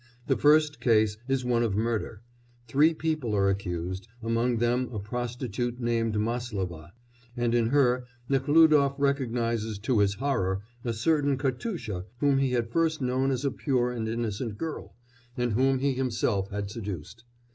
The first case is one of murder; three people are accused, among them a prostitute named Máslova, and in her Nekhlúdof recognises to his horror a certain Katusha whom he had first known as a pure and innocent girl, and whom he himself had seduced.